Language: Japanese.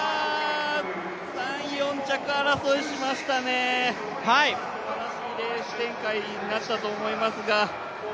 ３、４着争いしましたね、すばらしいレース展開になったと思いますが。